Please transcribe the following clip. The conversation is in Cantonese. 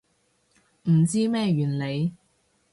唔知咩原理